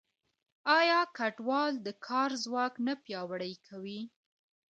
آیا کډوال د کار ځواک نه پیاوړی کوي؟